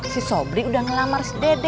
si sobri udah nggak nikah sama si dede